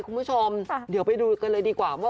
คุณผู้ชมเดี๋ยวไปดูกันเลยดีกว่าว่า